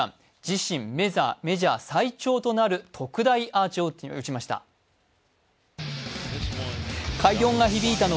自身メジャー最長となる特大アーチを打ちました。